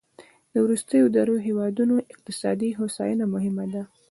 د وروستیو دریوو هېوادونو اقتصادي هوساینه مهمه ده.